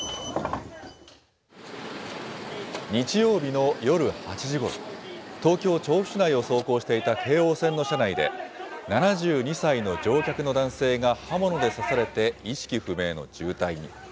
日曜日の夜８時ごろ、東京・調布市内を走行していた京王線の車内で、７２歳の乗客の男性が刃物で刺されて意識不明の重体に。